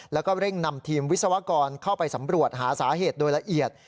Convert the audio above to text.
แล้วก็เร่งนำทีมวิศวกรเข้าไปสำรวจหาสาเหตุโดยละเอียด